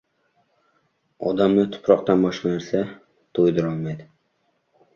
• Odamni tuproqdan boshqa narsa to‘ydirolmaydi.